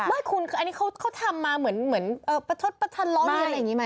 ไม่คุณอันนี้เขาทำมาเหมือนประชดประทานร้องอย่างนี้ไหม